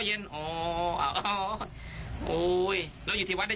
คุณผู้ชมเอ็นดูท่านอ่ะ